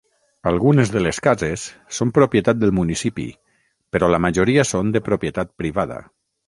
Algunes de les cases són propietat del municipi, però la majoria són de propietat privada.